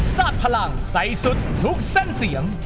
พลังใส่สุดทุกเส้นเสียง